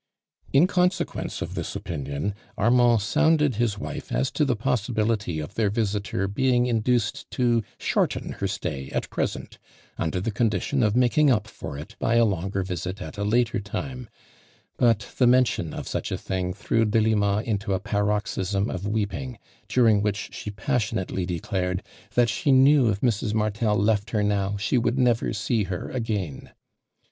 "' in consecjuence of this opinion, Armand sounded his wife as to the possibility of their visitoi' being induced to shorten her stay at present, under the condition of maiking up for it by a longer visit at a later time, but the mention of such a thing threw Delima into a paroxysm of weeping, during which she passionately declared "that she knew if Mrs. Martel left her now, she would never see her again.""